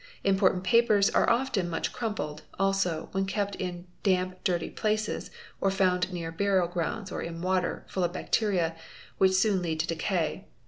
Important papers are often much crumpled, also, when kept in damp dirty places or found near — burial grounds or in water, full of bacteria, which soon lead to decay.